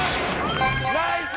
ナイス！